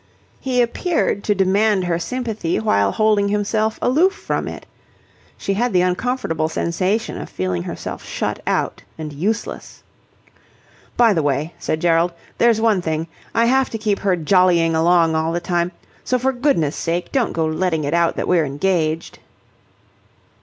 He appeared to demand her sympathy while holding himself aloof from it. She had the uncomfortable sensation of feeling herself shut out and useless. "By the way," said Gerald, "there's one thing. I have to keep her jollying along all the time, so for goodness' sake don't go letting it out that we're engaged."